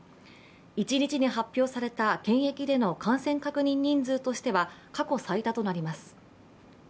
一日に発表された検疫での感染確認人数としては過去最多となります。